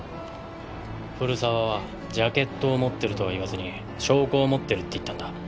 古沢はジャケットを持ってるとは言わずに証拠を持ってるって言ったんだ。